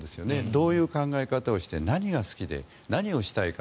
どういう考え方をして何が好きで何をしたいか。